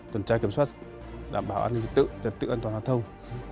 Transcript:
tuần tra kiểm soát đảm bảo an ninh trật tự an toàn giao thông